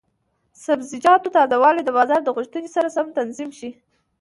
د سبزیجاتو تازه والي د بازار د غوښتنې سره سم تنظیم شي.